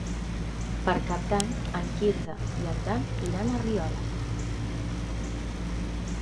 Per Cap d'Any en Quirze i en Dan iran a Riola.